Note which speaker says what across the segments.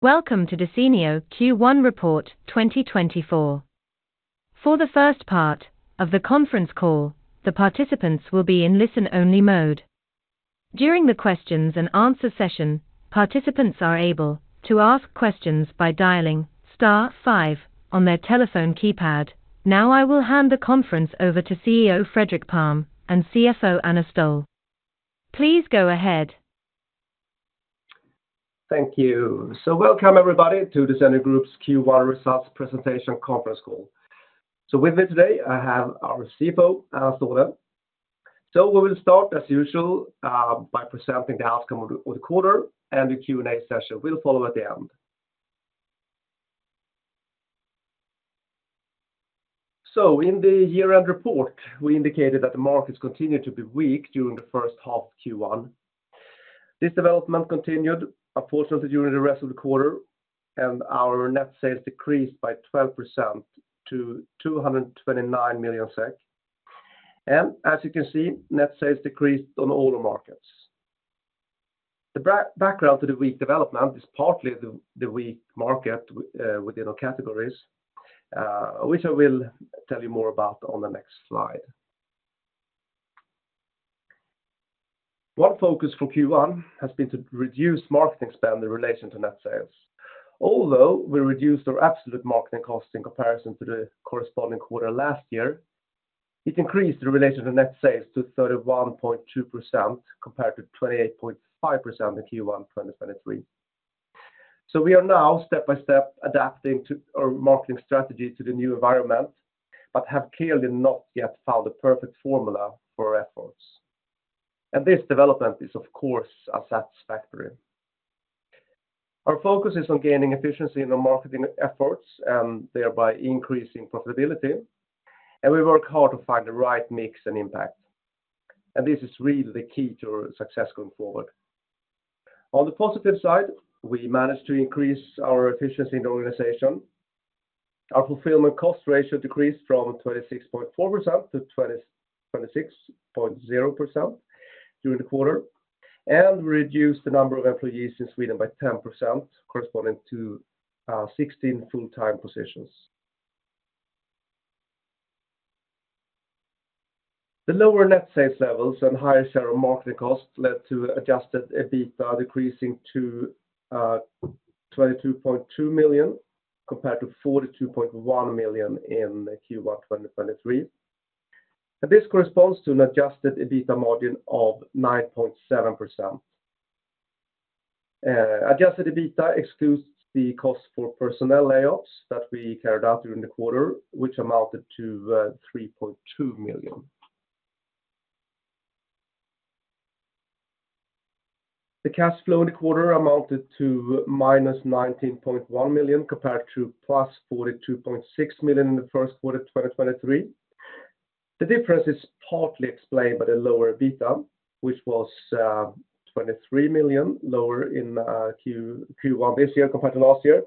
Speaker 1: Welcome to Desenio Q1 Report 2024. For the first part of the conference call, the participants will be in listen-only mode. During the questions and answer session, participants are able to ask questions by dialing star five on their telephone keypad. Now I will hand the conference over to CEO Fredrik Palm and CFO Anna Ståhle. Please go ahead.
Speaker 2: Thank you. So welcome, everybody, to Desenio Group's Q1 results presentation conference call. So with me today, I have our CFO, Anna Ståhle. So we will start as usual, by presenting the outcome of the quarter, and the Q&A session will follow at the end. So in the year-end report, we indicated that the markets continued to be weak during the first half Q1. This development continued, unfortunately, during the rest of the quarter, and our net sales decreased by 12% to 229 million SEK and as you can see, net sales decreased on all the markets. The background to the weak development is partly the weak market within our categories, which I will tell you more about on the next slide. One focus for Q1 has been to reduce marketing spend in relation to net sales. Although we reduced our absolute marketing costs in comparison to the corresponding quarter last year, it increased in relation to net sales to 31.2%, compared to 28.5% in Q1 2023. So we are now step-by-step adapting to our marketing strategy to the new environment, but have clearly not yet found the perfect formula for our efforts. This development is, of course, unsatisfactory. Our focus is on gaining efficiency in our marketing efforts and thereby increasing profitability, and we work hard to find the right mix and impact. This is really the key to our success going forward. On the positive side, we managed to increase our efficiency in the organization. Our fulfillment cost ratio decreased from 26.4%-26.0% during the quarter, and reduced the number of employees in Sweden by 10%, corresponding to 16 full-time positions. The lower net sales levels and higher share of marketing costs led to Adjusted EBITDA decreasing to 22.2 million, compared to 42.1 million in Q1 2023. This corresponds to an Adjusted EBITDA margin of 9.7%. Adjusted EBITDA excludes the cost for personnel layoffs that we carried out during the quarter, which amounted to SEK 3.2 million. The cash flow in the quarter amounted to -19.1 million, compared to +42.6 million in the first quarter of 2023. The difference is partly explained by the lower EBITDA, which was 23 million lower in Q1 this year compared to last year.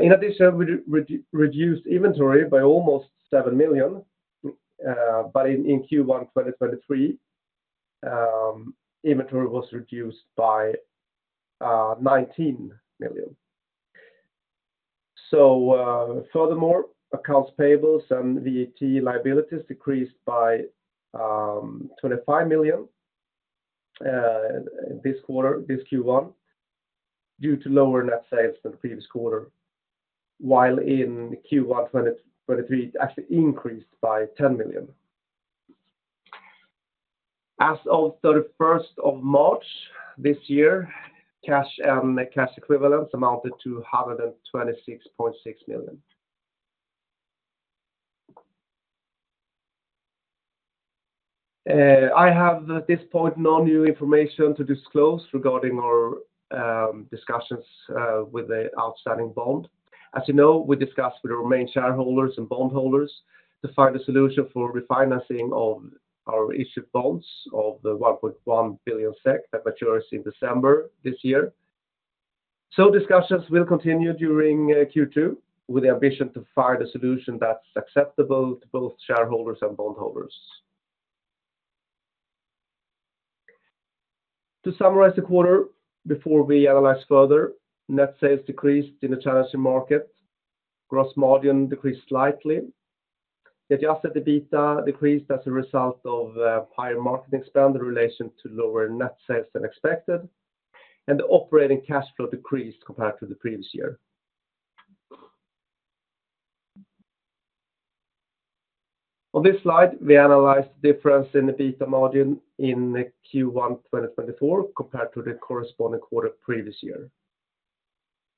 Speaker 2: In addition, we reduced inventory by almost 7 million, but in Q1 2023, inventory was reduced by 19 million. Furthermore, accounts payables and VAT liabilities decreased by 25 million this quarter, this Q1, due to lower net sales than the previous quarter, while in Q1 2023, it actually increased by 10 million. As of 31st of March this year, cash and cash equivalents amounted to 126.6 million. I have at this point no new information to disclose regarding our discussions with the outstanding bond. As you know, we discussed with our main shareholders and bondholders to find a solution for refinancing of our issued bonds of 1.1 billion SEK that matures in December this year. So discussions will continue during Q2 with the ambition to find a solution that's acceptable to both shareholders and bondholders. To summarize the quarter before we analyze further, net sales decreased in the challenging market. Gross margin decreased slightly. The Adjusted EBITDA decreased as a result of higher marketing spend in relation to lower net sales than expected, and the operating cash flow decreased compared to the previous year. On this slide, we analyze the difference in EBITDA margin in Q1 2024 compared to the corresponding quarter previous year.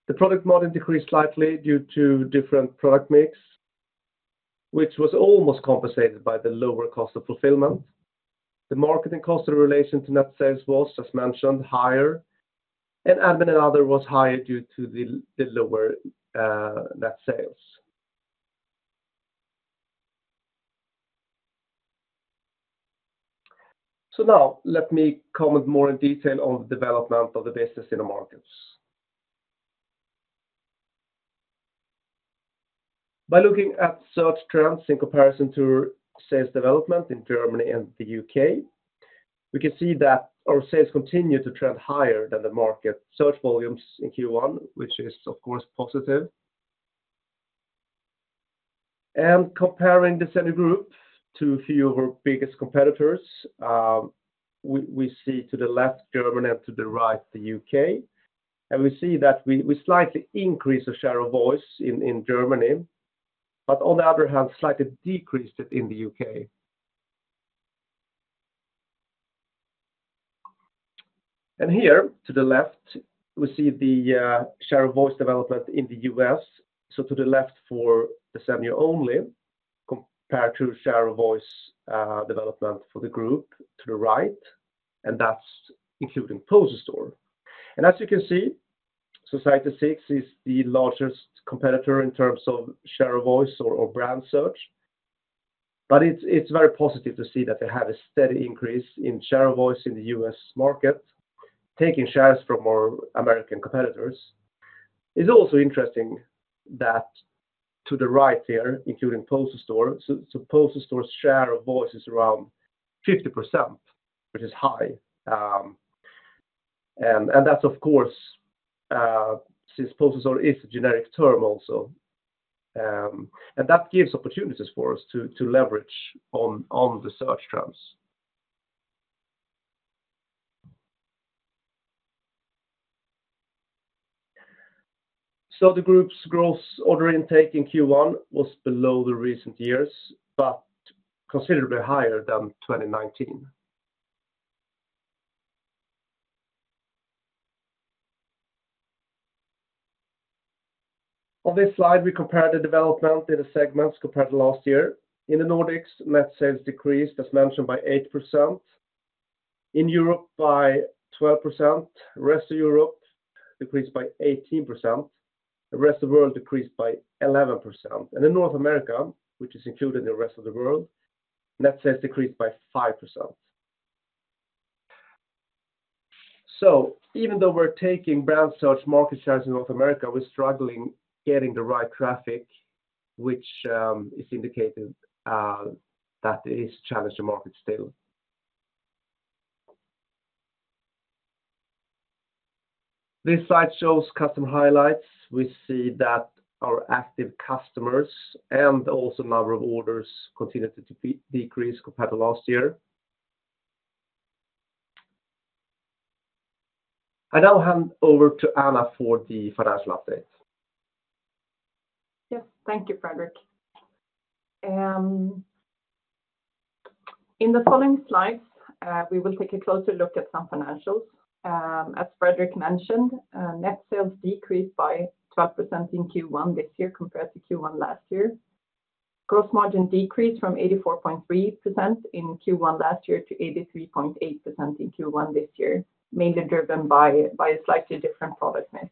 Speaker 2: The product margin decreased slightly due to different product mix, which was almost compensated by the lower cost of fulfillment. The marketing cost in relation to net sales was, just mentioned, higher, and admin and other was higher due to the lower net sales. So now let me comment more in detail on the development of the business in the markets. By looking at search trends in comparison to sales development in Germany and the U.K., we can see that our sales continue to trend higher than the market search volumes in Q1, which is, of course, positive. Comparing the Desenio Group to a few of our biggest competitors, we see to the left, Germany, and to the right, the U.K., and we see that we slightly increase the share of voice in Germany, but on the other hand, slightly decreased it in the U.K. Here to the left, we see the share of voice development in the U.S., so to the left for the Desenio only, compared to share of voice development for the group to the right, and that's including Poster Store. As you can see, Society6 is the largest competitor in terms of share of voice or brand search, but it's very positive to see that they have a steady increase in share of voice in the U.S. market, taking shares from our American competitors. It's also interesting that to the right here, including Poster Store, so Poster Store's share of voice is around 50%, which is high, and that's, of course, since Poster Store is a generic term also, and that gives opportunities for us to leverage on the search trends. So the group's gross order intake in Q1 was below the recent years, but considerably higher than 2019. On this slide, we compare the development in the segments compared to last year. In the Nordics, net sales decreased, as mentioned, by 8%, in Europe by 12%, Rest of Europe decreased by 18%, the Rest of World decreased by 11%. In North America, which is included in the Rest of World, net sales decreased by 5%. So even though we're taking brand search market shares in North America, we're struggling getting the right traffic, which is indicated, that is, challenge the market still. This slide shows customer highlights. We see that our active customers and also number of orders continued to decrease compared to last year. I now hand over to Anna for the financial update.
Speaker 3: Yes, thank you, Fredrik. In the following slides, we will take a closer look at some financials. As Fredrik mentioned, net sales decreased by 12% in Q1 this year, compared to Q1 last year. Gross margin decreased from 84.3% in Q1 last year to 83.8% in Q1 this year, mainly driven by a slightly different product mix.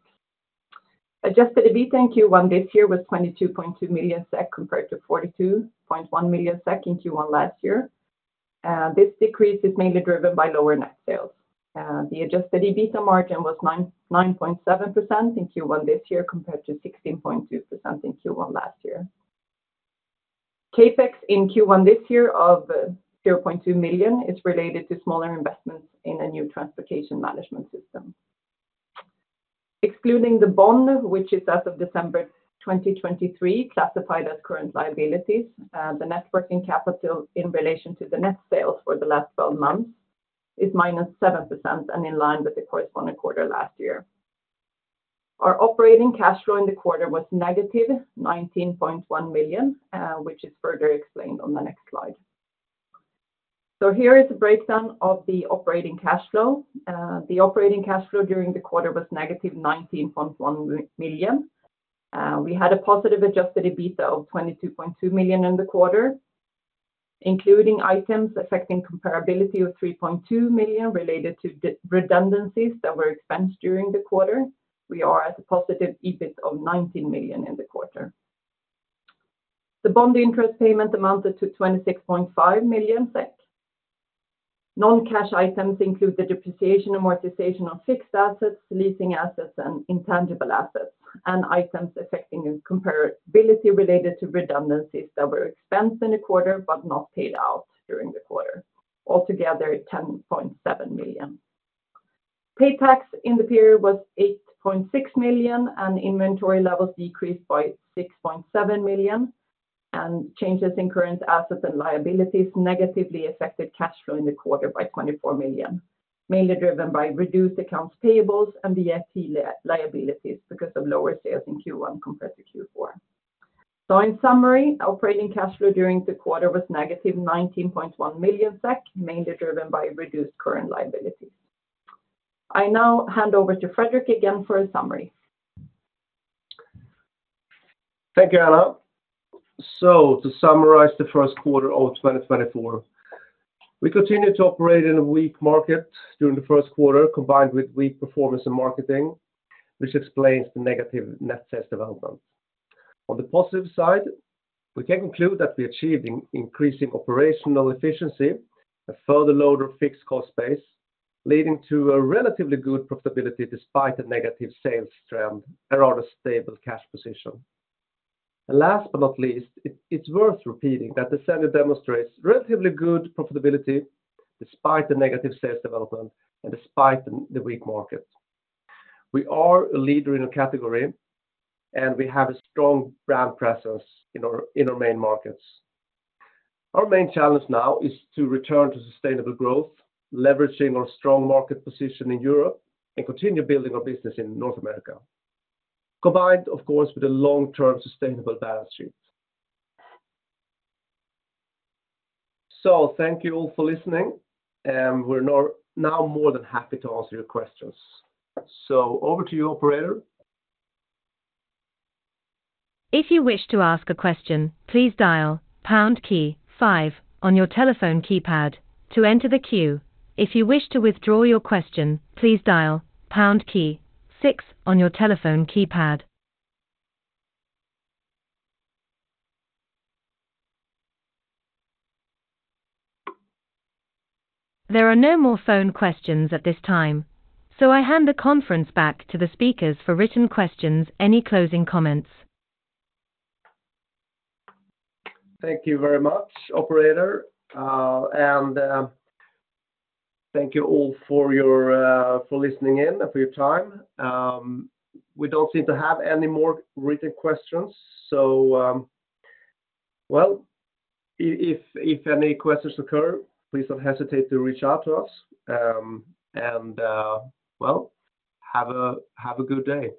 Speaker 3: Adjusted EBITDA in Q1 this year was 22.2 million SEK, compared to 42.1 million SEK in Q1 last year. This decrease is mainly driven by lower net sales. The Adjusted EBITDA margin was 9.7% in Q1 this year, compared to 16.2% in Q1 last year. CapEx in Q1 this year of 0.2 million is related to smaller investments in a new transportation management system. Excluding the bond, which is as of December 2023, classified as current liabilities, the net working capital in relation to the net sales for the last 12 months is -7% and in line with the corresponding quarter last year. Our operating cash flow in the quarter was -19.1 million, which is further explained on the next slide. So here is a breakdown of the operating cash flow. The operating cash flow during the quarter was -19.1 million. We had a positive Adjusted EBITDA of 22.2 million in the quarter, including items affecting comparability of 3.2 million related to the redundancies that were expensed during the quarter. We are at a positive EBIT of 19 million in the quarter. The bond interest payment amounted to 26.5 million SEK. Non-cash items include the depreciation and amortization on fixed assets, leasing assets, and intangible assets, and items affecting comparability related to redundancies that were expensed in the quarter, but not paid out during the quarter. Altogether, 10.7 million. Tax paid in the period was 8.6 million, and inventory levels decreased by 6.7 million, and changes in current assets and liabilities negatively affected cash flow in the quarter by 24 million, mainly driven by reduced accounts payables and the VAT liabilities because of lower sales in Q1 compared to Q4. So in summary, operating cash flow during the quarter was -19.1 million SEK, mainly driven by reduced current liabilities. I now hand over to Fredrik again for a summary.
Speaker 2: Thank you, Anna. So to summarize the first quarter of 2024, we continued to operate in a weak market during the first quarter, combined with weak performance and marketing, which explains the negative net sales development. On the positive side, we can conclude that we achieved increasing operational efficiency, a further lowering of fixed cost base, leading to a relatively good profitability despite a negative sales trend and on a stable cash position. Last but not least, it's worth repeating that Desenio demonstrates relatively good profitability despite the negative sales development and despite the weak market. We are a leader in a category, and we have a strong brand presence in our main markets. Our main challenge now is to return to sustainable growth, leveraging our strong market position in Europe, and continue building our business in North America, combined, of course, with a long-term sustainable balance sheet. So thank you all for listening, and we're now more than happy to answer your questions. So over to you, operator.
Speaker 1: If you wish to ask a question, please dial pound key five on your telephone keypad to enter the queue. If you wish to withdraw your question, please dial pound key six on your telephone keypad. There are no more phone questions at this time, so I hand the conference back to the speakers for written questions, any closing comments?
Speaker 2: Thank you very much, operator, and thank you all for listening in and for your time. We don't seem to have any more written questions, so, well, if any questions occur, please don't hesitate to reach out to us, and, well, have a good day.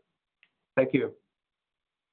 Speaker 2: Thank you.